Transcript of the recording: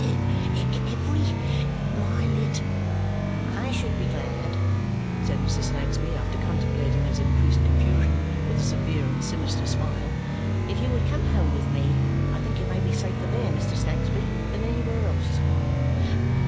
"Every my lit " "I should be glad," says Mrs. Snagsby after contemplating his increased confusion with a severe and sinister smile, "if you would come home with me; I think you may be safer there, Mr. Snagsby, than anywhere else."